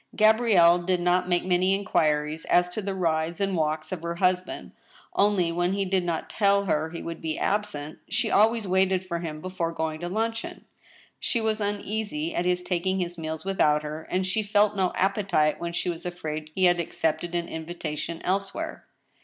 Gabrielle did not make many inquiries as to the rides and walks of her husband ; only, when he did not tell her he would be absent, she always waited for him before going to luncheon. She was uneasy at his taking his meals without her ; and she felt no appetite when she was afraid he had accepted an invitation elsewhere.